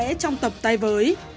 rất có thể trong tập tay với